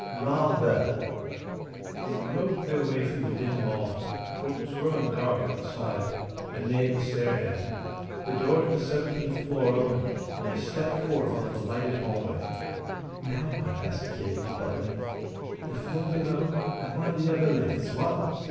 "Rather!" They groped their way through the dim loft for it was growing dark outside and made the stairhead. The door to the seventeenth floor opened, and they stepped forth into the lighted hallway. "Now what?" asked Kitty, bubbling. "The floor below, and one of the other lifts, what?"